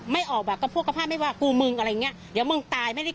ไม่ออกอ่ะก็พวกกระภาพไม่ว่ากูมึงอะไรอย่างเงี้ยเดี๋ยวมึงตายไม่ได้